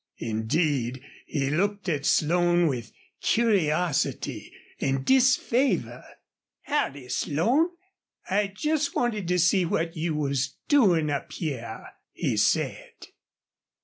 Indeed, he looked at Slone with curiosity and disfavor. "Howdy, Slone! I jest wanted to see what you was doin' up hyar," he said.